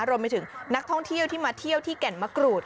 รวมไปถึงนักท่องเที่ยวที่มาเที่ยวที่แก่นมะกรูด